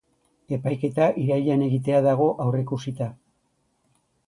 Epaiketa irailean egitea dago aurrikusita.